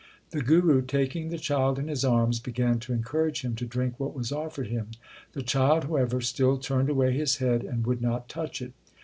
The Guru, taking the child in his arms, began to encourage him to drink what was offered him. The child, however, still turned away his head and would not touch it.